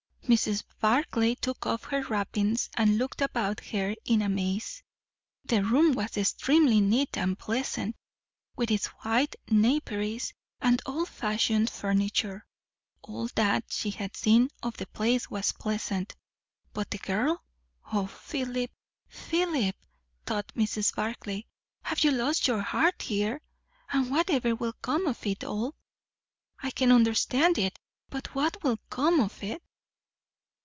Mrs. Barclay took off her wrappings and looked about her in a maze. The room was extremely neat and pleasant, with its white naperies and old fashioned furniture. All that she had seen of the place was pleasant. But the girl! O Philip, Philip! thought Mrs. Barclay, have you lost your heart here! and what ever will come of it all? I can understand it; but what will come of it!